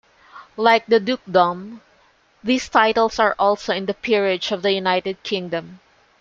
Like the dukedom, these titles are also in the Peerage of the United Kingdom.